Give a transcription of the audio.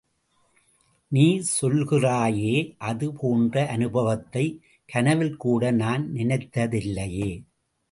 நீ சொல்லுகிறாயே அது போன்ற அநுபவத்தைக் கனவில்கூட நான் நினைத்ததில்லையே!